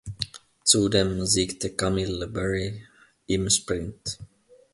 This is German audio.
Zudem siegte Kamil Bury im Sprint.